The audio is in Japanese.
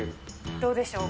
どうでしょう。